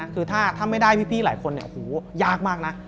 คือถ้าไม่ได้พี่หลายคนเนี่ยโอ้โหยากมากนะ